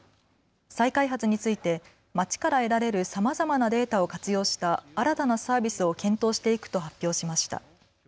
再開発について街から得られるさまざまなデータを活用した新たなサービスを検討していくと発表しました。